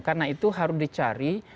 karena itu harus dicari